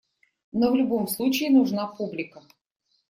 Но в любом случае нужна публика.